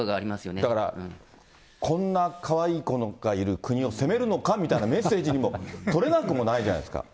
だからこんなかわいい子がいる国を攻めるのかみたいなメッセージにも取れなくもないじゃないですか。